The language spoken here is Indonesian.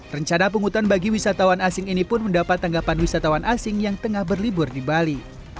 rencana penghutan bagi wisatawan asing ini pun mendapat tanggapan wisatawan asing yang tengah berlibur di bali